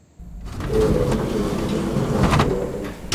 ও, এখনও পরিশোধিত মুত্রেই আটকে আছেন।